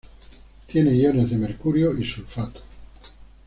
Tiene iones de mercurio y sulfato.